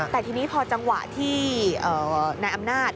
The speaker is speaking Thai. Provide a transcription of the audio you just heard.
แต่ทีนี้พอจังหวะที่นายอำนาจ